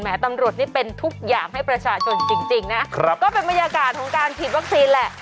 ตำรวจนี่เป็นทุกอย่างให้ประชาชนจริงนะครับก็เป็นบรรยากาศของการผิดวัคซีนแหละ